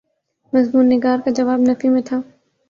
مضمون نگار کا جواب نفی میں تھا۔